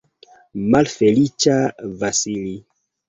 Malfeliĉa Vasili!